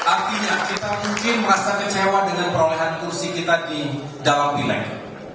artinya kita mungkin merasa kecewa dengan perolehan kursi kita di dalam pileg